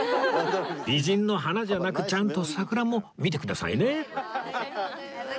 美人の「華」じゃなくちゃんと桜も見てくださいね